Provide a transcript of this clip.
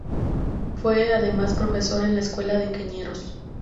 Fue, además, profesor en la Escuela de Ingenieros.